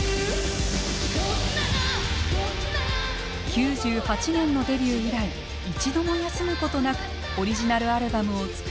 ９８年のデビュー以来一度も休むことなくオリジナルアルバムを作り